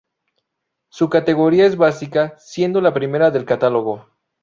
Su categoría es básica, siendo la primera del catálogo.